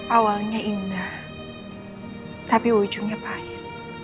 awalnya indah tapi ujungnya pahit